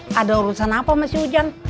eh ada urusan apa mas yujan